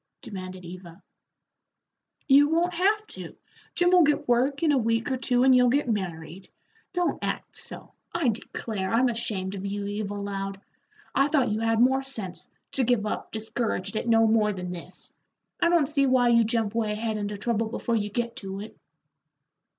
demanded Eva. "You won't have to. Jim will get work in a week or two, and you'll get married. Don't act so. I declare, I'm ashamed of you, Eva Loud. I thought you had more sense, to give up discouraged at no more than this. I don't see why you jump way ahead into trouble before you get to it."